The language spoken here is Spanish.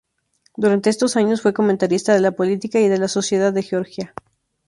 Durante estos años, fue comentarista de la política y de la sociedad de Georgia.